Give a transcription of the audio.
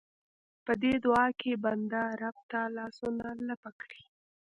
په دې دعا کې بنده رب ته لاسونه لپه کړي.